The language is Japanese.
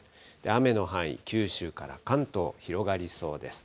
雨の範囲、九州から関東、広がりそうです。